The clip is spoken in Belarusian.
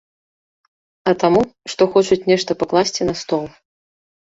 А таму, што хочуць нешта пакласці на стол.